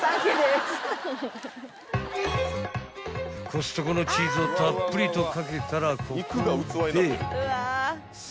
［コストコのチーズをたっぷりとかけたらここで］